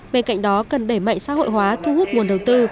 bên cạnh đó cần đẩy mạnh xã hội hóa thu hút nguồn đầu tư